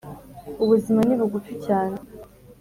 ubuzima ni bugufi cyane